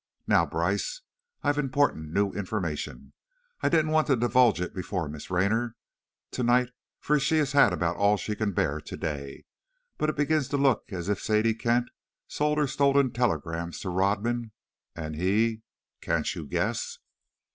Now, Brice, I've important new information. I didn't want to divulge it before Miss Raynor, tonight, for she has had about all she can bear today. But it begins to look as if Sadie Kent sold her stolen telegrams to Rodman, and he can't you guess?"